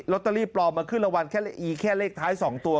ตเตอรี่ปลอมมาขึ้นรางวัลแค่ละอีแค่เลขท้าย๒ตัว